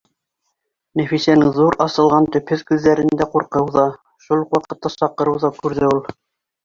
Нәфисәнең ҙур асылған төпһөҙ күҙҙәрендә ҡурҡыу ҙа, шул уҡ ваҡытта саҡырыу ҙа күрҙе ул